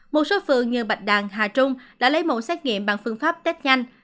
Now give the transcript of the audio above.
một số phường như bạch đàn hà trung đã lấy mẫu xét nghiệm bằng phương pháp test nhanh